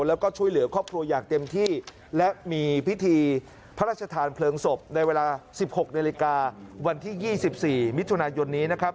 แล้วก็ช่วยเหลือครอบครัวอย่างเต็มที่และมีพิธีพระราชทานเพลิงศพในเวลา๑๖นาฬิกาวันที่๒๔มิถุนายนนี้นะครับ